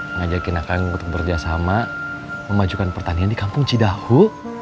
mengajakin akang untuk bekerjasama memajukan pertanian di kampung cidahu